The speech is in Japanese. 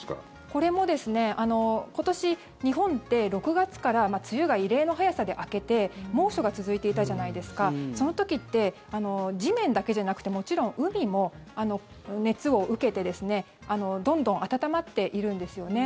これもですね、今年日本って６月から梅雨が異例の早さで明けて猛暑が続いていたじゃないですかその時って地面だけじゃなくてもちろん海も熱を受けてどんどん温まっているんですよね。